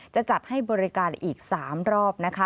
จะจัดให้บริการอีก๓รอบนะคะ